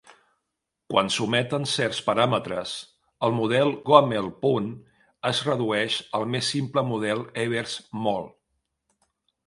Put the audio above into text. Quan s'ometen certs paràmetres, el model Gummel-Poon es redueix al més simple model Ebers-Moll.